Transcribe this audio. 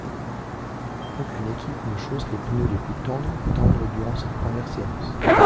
Aucune équipe ne chausse les pneus les plus tendres tendres durant cette première séance.